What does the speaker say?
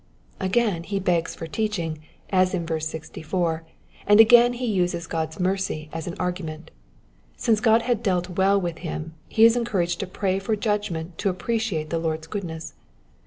'*^ Again he begs for teaching, as in verse 64, and again he uses Qod's mercy as an argument. Since God bad dealt well with him, he is encouraged to pray for judgment to appre ciate the Lord's goodness.